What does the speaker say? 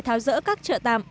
tháo rỡ các trợ tạm